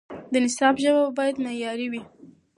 د نصاب ژبه باید معیاري وي.